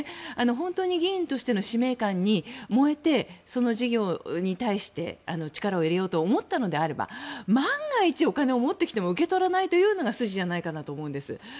本当に議員としての使命感に燃えてその事業に対して力を入れようと思ったのであれば万が一、お金を持ってきても受け取らないのが筋じゃないかなと思うんです。